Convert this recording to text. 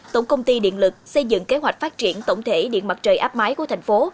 tổng công ty điện lực xây dựng kế hoạch phát triển tổng thể điện mặt trời áp máy của thành phố